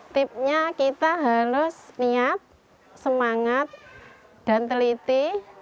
tipnya kita harus niat semangat dan teliti